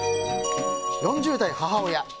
４０代母親。